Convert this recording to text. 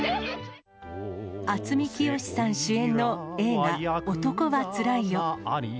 渥美清さん主演の映画、男はつらいよ。